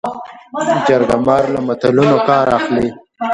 جرګه مار له متلونو کار اخلي